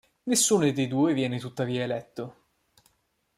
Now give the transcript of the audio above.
Nessuno dei due viene tuttavia eletto.